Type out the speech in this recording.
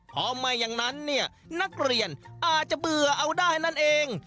เพราะไม่อย่างนั้นเนี่ยนักเรียนอาจจะเบื่อเอาได้นั่นเอง